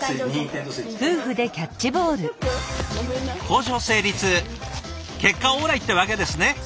交渉成立結果オーライってわけですね。